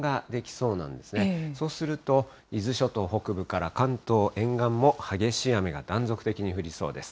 そうすると、伊豆諸島北部から関東沿岸も、激しい雨が断続的に降りそうです。